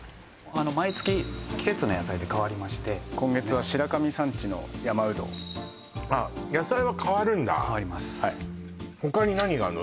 毎月季節の野菜でかわりまして今月は白神山地の山うどあっ野菜はかわるんだかわります他に何があんの？